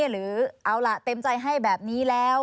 หรือเอาล่ะเต็มใจให้แบบนี้แล้ว